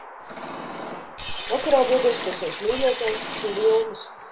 Vakarā dodos pie savas mīļotās, pie Vilmas.